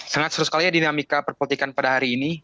sangat seru sekali dinamika perpulihkan pada hari ini